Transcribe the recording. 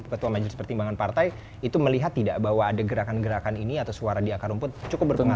ketua majelis pertimbangan partai itu melihat tidak bahwa ada gerakan gerakan ini atau suara di akar rumput cukup berpengaruh